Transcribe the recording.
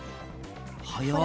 早い。